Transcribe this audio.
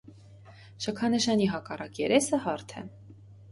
Շքանշանի հակառակ երեսը հարթ է։